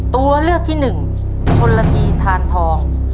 ตัวเลือกที่หนึ่งชนละทีทานทอง